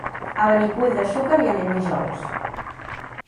A Benicull de Xúquer hi anem dijous.